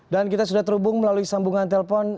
dan kita sudah terhubung melalui sambungan telpon